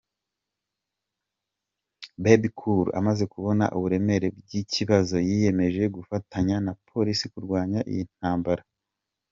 Bebe Cool amaze kubona uburemere byikibazo yiyemeje gufatanya na Polisi kurwana iyi ntambara.